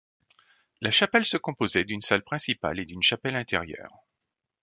La chapelle se composait d'une salle principale et d'une chapelle intérieure.